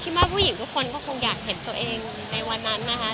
ว่าผู้หญิงทุกคนก็คงอยากเห็นตัวเองในวันนั้นนะคะ